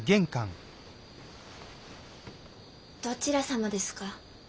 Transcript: どちら様ですか？